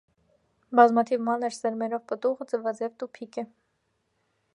Բազմաթիվ մանր սերմերով պտուղը ձվաձև տուփիկ է։